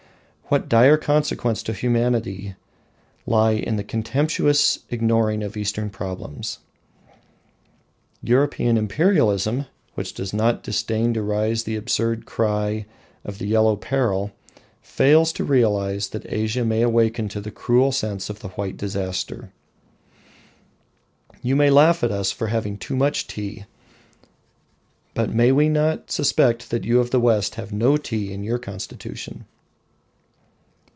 What dire consequences to humanity lie in the contemptuous ignoring of Eastern problems! European imperialism, which does not disdain to raise the absurd cry of the Yellow Peril, fails to realise that Asia may also awaken to the cruel sense of the White Disaster. You may laugh at us for having "too much tea," but may we not suspect that you of the West have "no tea" in your constitution?